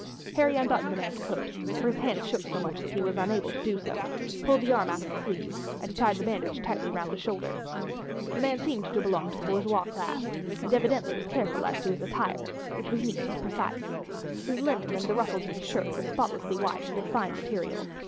Harry unbuttoned the man's coat, for his hands shook so much that he was unable to do so, pulled the arm out of the sleeve, and tied the bandage tightly round the shoulder. The man seemed to belong to the bourgeois class, and evidently was careful as to his attire, which was neat and precise. His linen and the ruffles of his shirt were spotlessly white and of fine material.